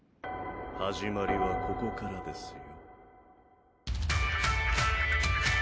始まりはここからですよ。